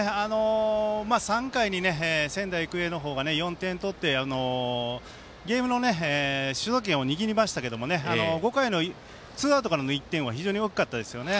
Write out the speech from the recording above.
３回に仙台育英の方が４点取ってゲームの主導権を握りましたけど５回のツーアウトからの１点は非常に大きかったですよね。